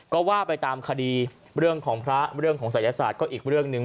ก็ว่าไปตามคดีเรื่องของพระเรื่องของศัยศาสตร์ก็อีกเรื่องหนึ่ง